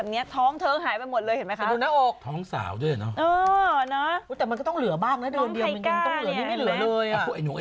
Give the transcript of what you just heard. เพิ่งจะครอบน้องไปแค่๑เดือนเท่านั้นนะนะ